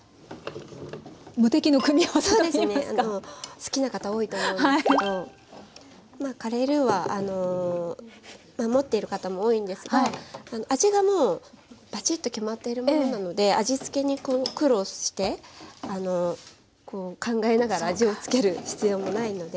好きな方多いと思うんですけどカレールーは持っている方も多いんですが味がもうバチッと決まっているものなので味付けに苦労して考えながら味を付ける必要もないので。